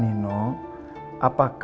beda ada pak